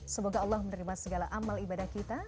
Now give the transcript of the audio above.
semoga allah menerima segala amal ibadah kita